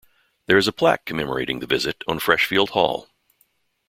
There is a plaque commemorating the visit on Freshfield Hall.